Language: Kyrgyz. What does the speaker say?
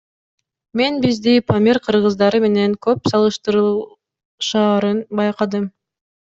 Мен бизди Памир кыргыздары менен көп салыштырышаарын байкадым.